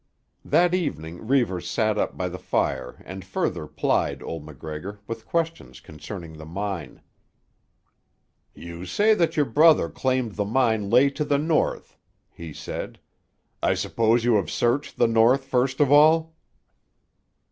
That evening Reivers sat up by the fire and further plied old MacGregor with questions concerning the mine. "You say that your brother claimed the mine lay to the north," he said. "I suppose you have searched the north first of all?"